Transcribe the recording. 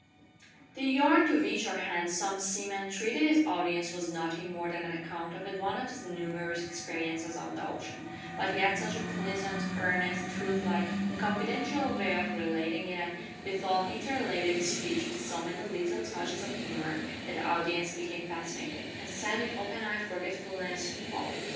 The yarn to which our handsome seaman treated his audience was nothing more than an account of one of his numerous experiences on the ocean, but he had such a pleasant, earnest, truth like, and confidential way of relating it and, withal, interlarded his speech with so many little touches of humour, that the audience became fascinated, and sat in open eyed forgetfulness of all else.